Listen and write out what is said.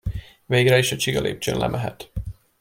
Végre is a csigalépcsőn lemehet.